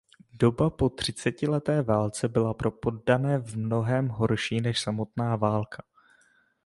Doba po třicetileté válce byla pro poddané v mnohém horší než samotná válka.